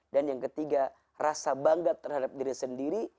dan yang ketiga rasa bangga terhadap diri sendiri